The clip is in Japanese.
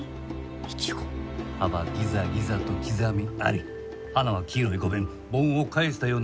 葉はギザギザと刻みあり花は黄色い５弁盆を返したような形状。